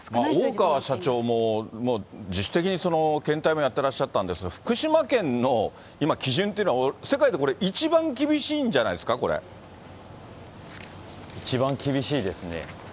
大川社長も自主的に検体もやってらっしゃったんですが、福島県の今、基準っていうのは世界で一番厳しいんじゃな一番厳しいですね。